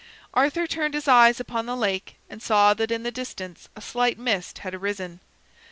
Arthur turned his eyes upon the lake and saw that in the distance a slight mist had arisen.